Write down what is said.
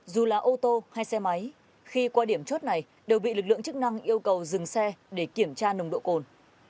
dù là ô tô hay xe máy khi qua điểm chốt này đều bị lực lượng chức năng yêu cầu dừng xe để kiểm tra nồng độ cồn